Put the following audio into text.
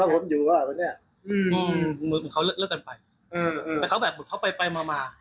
เหมือนเขาเลิกกันไปเหมือนเขาไปมา